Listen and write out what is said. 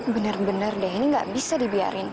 bener bener deh ini gak bisa dibiarin